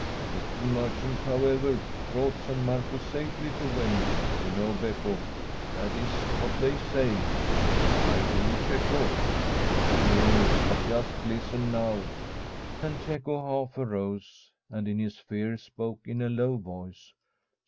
The two merchants, however, brought San Marco safely to Venice; you know, Beppo, that this is what they say.' * I do, Cecco.* * Yes ; but just listen now,' and Cecco half arose, and in his fear spoke in a low voice.